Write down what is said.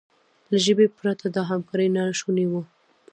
له ژبې پرته دا همکاري ناشونې وه.